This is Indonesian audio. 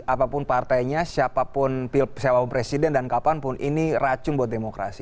apapun partainya siapapun presiden dan kapanpun ini racun buat demokrasi